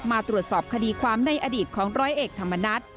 มาตรวจสอบคดีความในอดีตของร้อยเอกธรรมนัฐ